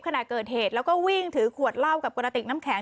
ขณะเกิดเหตุแล้วก็วิ่งถือขวดเหล้ากับกระติกน้ำแข็ง